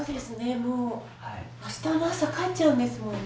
もう明日の朝帰っちゃうんですもんね。